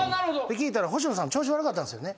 聞いたら星野さん調子悪かったんすよね。